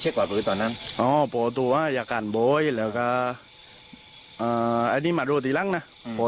กับผู้ชายด้านหน้าคนอยู่ที่นี่มั้ยครับ